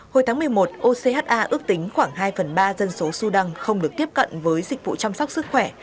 hồi tháng một mươi một ocha ước tính khoảng hai phần ba dân số sudan không được tiếp cận với dịch vụ chăm sóc sức khỏe